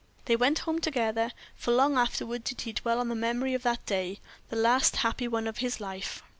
They went home together. For long afterward did he dwell on the memory of that day, the last happy one of his life!